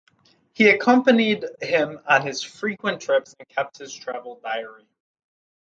He accompanied him on his frequent trips and kept his travel diary.